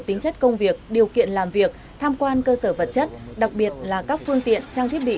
tính chất công việc điều kiện làm việc tham quan cơ sở vật chất đặc biệt là các phương tiện trang thiết bị